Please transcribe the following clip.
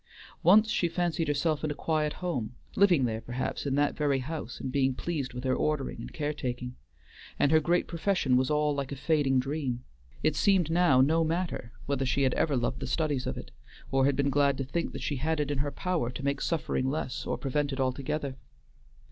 Once she fancied herself in a quiet home; living there, perhaps, in that very house, and being pleased with her ordering and care taking. And her great profession was all like a fading dream; it seemed now no matter whether she had ever loved the studies of it, or been glad to think that she had it in her power to make suffering less, or prevent it altogether.